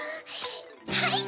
はい！